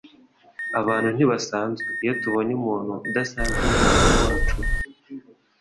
Abantu ntibasanzwe. Iyo tubonye umuntu udasanzwe uhuza n'uwacu